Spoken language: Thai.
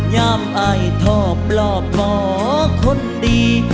ยามอายชอบปลอบหมอคนดี